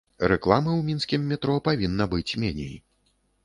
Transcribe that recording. Рэкламы ў мінскім метро павінна быць меней.